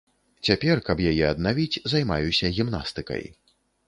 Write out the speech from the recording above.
Цяпер, каб яе аднавіць, займаюся гімнастыкай.